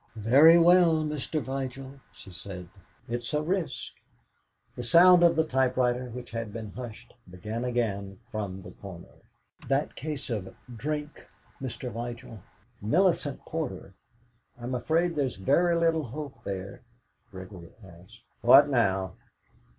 "Very well, Mr. Vigil," she said; "it's a risk." The sound of the typewriter, which had been hushed, began again from the corner. "That case of drink, Mr. Vigil Millicent Porter I'm afraid there's very little hope there." Gregory asked: "What now?"